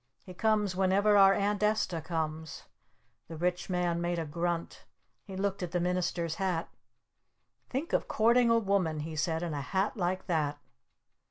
"He comes whenever our Aunt Esta comes." The Rich Man made a grunt. He looked at the Minister's hat. "Think of courting a woman," he said, "in a hat like that!"